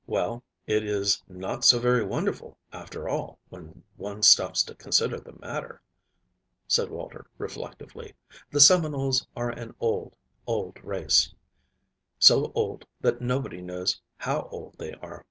"Well, it is not so very wonderful, after all, when one stops to consider the matter," said Walter reflectively. "The Seminoles are an old, old race, so old that nobody knows how old they are.